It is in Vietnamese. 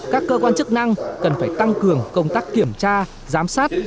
các cơ quan chức năng cần phải tăng cường công tác kiểm tra giám sát